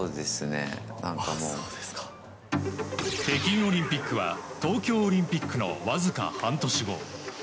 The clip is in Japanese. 北京オリンピックは東京オリンピックのわずか半年後。